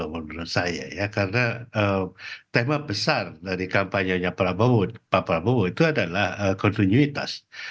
menurut saya ya karena tema besar dari kampanyenya prabowo pak prabowo itu adalah kontinuitas